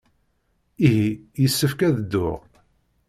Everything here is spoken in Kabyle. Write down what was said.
Ihi yessefk ad dduɣ.